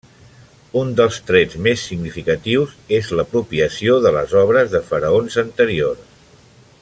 Un dels trets més significatius és l'apropiació de les obres de faraons anteriors.